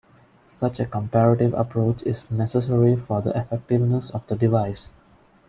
Such a comparative approach is necessary for the effectiveness of the device.